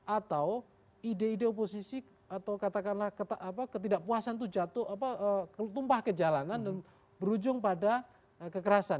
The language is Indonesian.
atau ide ide oposisi atau katakanlah ketidakpuasan itu jatuh tumpah ke jalanan dan berujung pada kekerasan